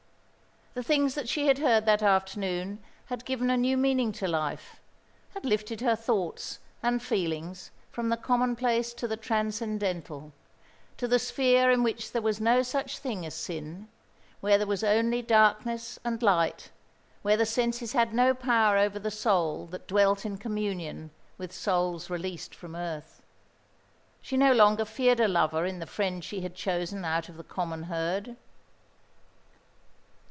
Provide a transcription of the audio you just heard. The things that she had heard that afternoon had given a new meaning to life, had lifted her thoughts and feelings from the commonplace to the transcendental; to the sphere in which there was no such thing as sin, where there were only darkness and light, where the senses had no power over the soul that dwelt in communion with souls released from earth. She no longer feared a lover in the friend she had chosen out of the common herd.